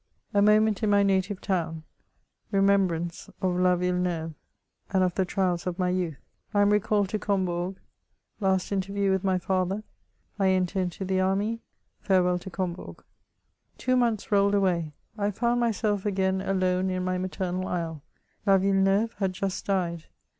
▲ MOMENT IN MY NATIVE TOWN — REMEMBRANCE OP LA VliLB NEUVE, AND OP THE TRIALS OP MY YOUTH — I AM RECALLED TO COMBOURO LAST INTERVIEW WITH MY PATHER— I ENTER INTO THE ARMT — FAREWELL TO COMBOURO. Two months rolled away ; I found myself again alone in my maternal isle ; la Yilleneuve had just died.